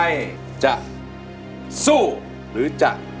โอ้โอ้โอ้โอ้